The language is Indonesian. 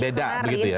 beda begitu ya